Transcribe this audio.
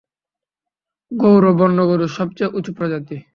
গৌর বন্য গরুর সবচেয়ে উঁচু প্রজাতি।